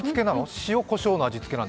塩こしょうの味付けなの？